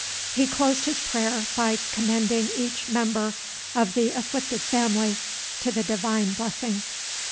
He closed his prayer by commending each member of the afflicted family to the divine blessing.